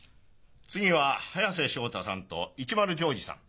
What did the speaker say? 次は早瀬将太さんと一丸譲次さん。